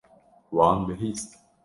Wan bihîst.